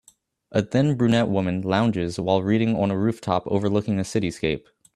A thin brunette woman lounges while reading on a rooftop overlooking a cityscape